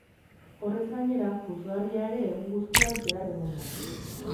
Horrez gainera, puzgarria ere egun guztian zehar egon da.